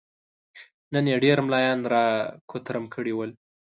نن يې ډېر ملايان را کوترم کړي ول.